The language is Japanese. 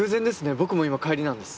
僕も今帰りなんです。